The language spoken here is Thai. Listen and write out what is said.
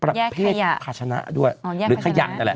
แยกภาชนะหรือขยะ